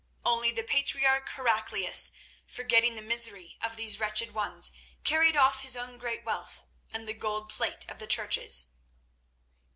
Only the patriarch Heraclius, forgetting the misery of these wretched ones, carried off his own great wealth and the gold plate of the churches.